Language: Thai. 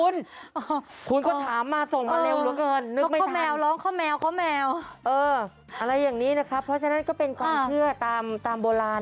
ร้องเสียงยังไงคะ